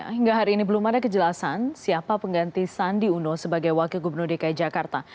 hingga hari ini belum ada kejelasan siapa pengganti sandi uno sebagai wakil gubernur dki jakarta